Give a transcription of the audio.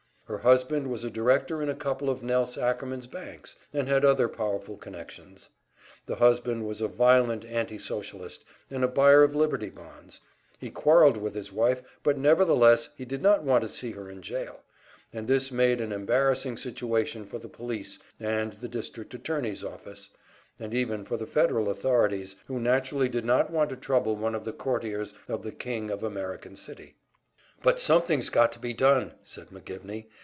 Her husband was a director in a couple of Nelse Ackerman's banks, and had other powerful connections. The husband was a violent, anti Socialist, and a buyer of liberty bonds; he quarrelled with his wife, but nevertheless he did not want to see her in jail, and this made an embarrassing situation for the police and the district attorney's office, and even for the Federal authorities, who naturally did not want to trouble one of the courtiers of the king of American City. "But something's got to be done," said McGivney.